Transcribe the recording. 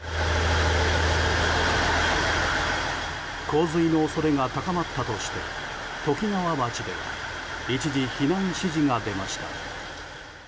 洪水の恐れが高まったとしてときがわ町では一時、避難指示が出ました。